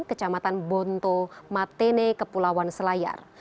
kecamatan bonto matene ke pulauan selayar